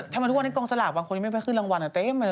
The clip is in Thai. ทำไมวันนี้กองสลับหวางคนนี้ไม่ขึ้นรางวัลว่ะเต็ม